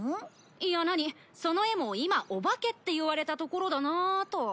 いやなにその絵も今お化けって言われたところだなあと。